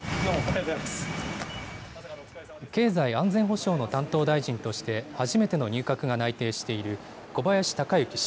経済安全保障の担当大臣として、初めての入閣が内定している、小林鷹之氏。